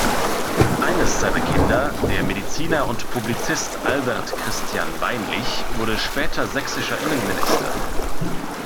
Eines seiner Kinder, der Mediziner und Publizist Albert Christian Weinlig, wurde später sächsischer Innenminister.